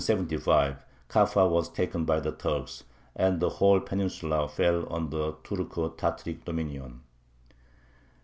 In 1475 Kaffa was taken by the Turks, and the whole peninsula fell under Turco Tataric dominion.